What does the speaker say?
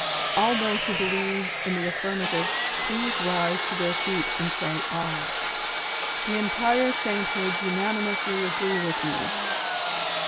All those who believe in the aflRrmative please rise to their feet and say '/.' "Tlie entire saintliood unanimously agree with me.